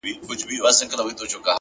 کلونه وسول دا وايي چي نه ځم اوس به راسي-